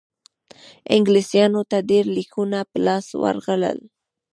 انګلیسیانو ته ډېر لیکونه په لاس ورغلل.